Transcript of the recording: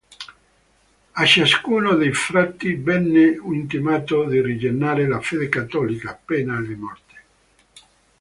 A ciascuno dei frati venne intimato di rinnegare la fede cattolica, pena la morte.